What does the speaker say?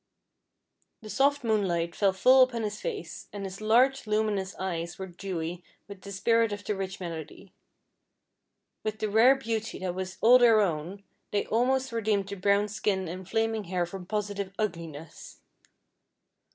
The soft moonlight fell full upon his face, and his large luminous eyes were dewy with the spirit of the rich melody. With the rare beauty that was all their own, they almost redeemed the brown skin and flaming hair from positive ugliness.